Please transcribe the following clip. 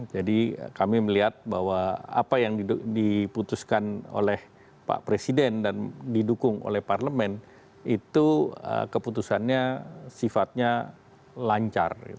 jadi kami melihat bahwa apa yang diputuskan oleh pak presiden dan didukung oleh parlemen itu keputusannya sifatnya lancar